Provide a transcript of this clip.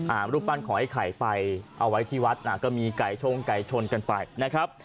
รูปปั้นขอไอ้ไข่ไปเอาไว้ที่วัดน่ะก็มีไก่ชงไก่ชนกันไปนะครับ